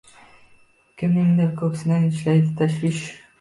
Kimningdir ko’ksida nishlaydi tashvish.